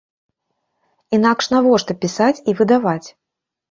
Інакш навошта пісаць і выдаваць?